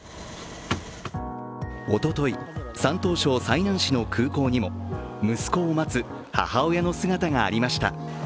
おととい、山東省済南市の空港にも息子を待つ母親の姿がありました。